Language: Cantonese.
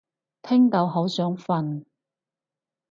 聽到好想瞓